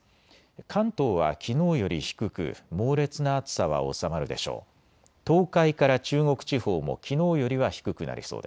関東はきのうより低く猛烈な暑さは収まるでしょう。